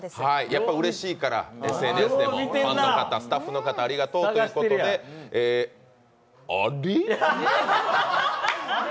やっぱうれしいからＳＮＳでもスタッフの方ありがとうということであれ？